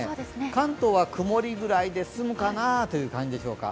関東は曇りぐらいで済むかなという感じでしょうか。